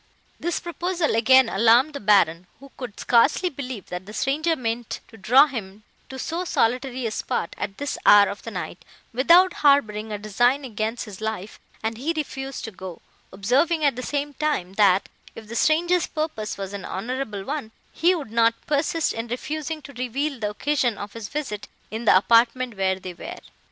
"This proposal again alarmed the Baron, who could scarcely believe, that the stranger meant to draw him to so solitary a spot, at this hour of the night, without harbouring a design against his life, and he refused to go, observing, at the same time, that, if the stranger's purpose was an honourable one, he would not persist in refusing to reveal the occasion of his visit, in the apartment where they were.